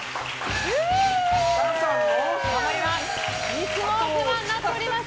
いつもお世話になっております